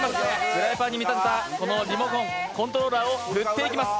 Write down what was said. フライパンに見立てたリモコンコントローラーを振っていきます。